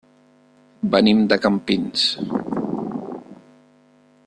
Venim de Campins.